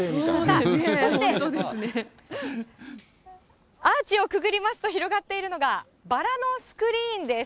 そして、アーチをくぐりますと広がっているのが、バラのスクリーンです。